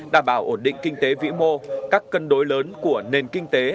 đảm bảo ổn định kinh tế vĩ mô các cân đối lớn của nền kinh tế